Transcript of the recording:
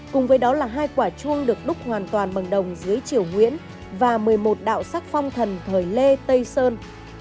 cùng với đó là hai quả chuông được đúc hoàn toàn bằng đồng dưới chiều nguyễn và một mươi một đạo sắc phong thần thời lê tây sơn